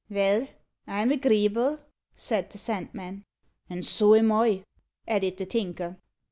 "Vell, I'm agreeable," said the Sandman. "And so am I," added the Tinker.